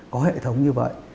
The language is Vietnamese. có hệ thống như vậy